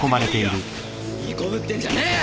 いい子ぶってんじゃねえよ！